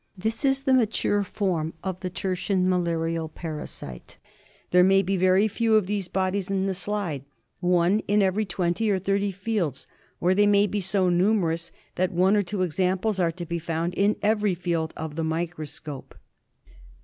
This is the mature form of the tertian ^"'""hKin''"^"' % MALARIA. 85 malaria parasite. There may be very few of these bodies in the slide — one in every twenty or thirty fields — or they may be so numerous that one or two examples are to be found in every field of the microscope.